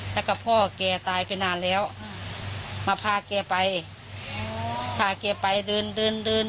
แล้วก็พ่อแกตายไปนานแล้วมาพาแกไปพาแกไปเดินเดินเดิน